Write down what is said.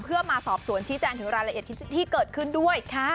เพื่อมาสอบสวนชี้แจงถึงรายละเอียดที่เกิดขึ้นด้วยค่ะ